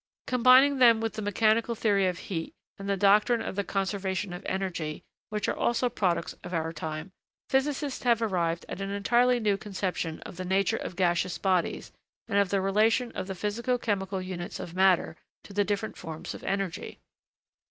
Combining them with the mechanical theory of heat and the doctrine of the conservation of energy, which are also products of our time, physicists have arrived at an entirely new conception of the nature of gaseous bodies and of the relation of the physico chemical units of matter to the different forms of energy.